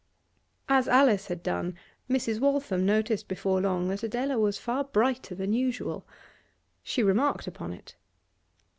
As Alice had done, Mrs. Waltham noticed before long that Adela was far brighter than usual. She remarked upon it.